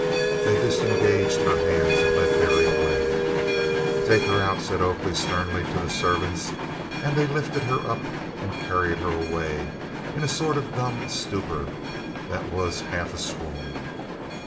They disengaged her hands, and led Berry away. "Take her out," said Oakley sternly to the servants; and they lifted her up and carried her away in a sort of dumb stupor that was half a swoon.